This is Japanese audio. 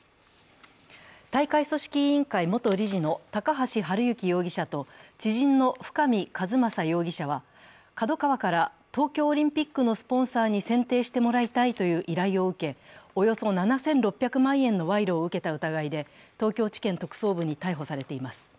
大会組織委員会元理事の高橋治之容疑者と知人の深見和政容疑者はＫＡＤＯＫＡＷＡから東京オリンピックのスポンサーに選定してもらいたいという依頼を受け、およそ７６００万円の賄賂を受けた疑いで東京地検特捜部に逮捕されています。